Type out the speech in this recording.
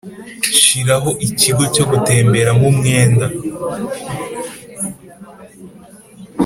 shiraho ikigo cyo gutembera mu mwenda,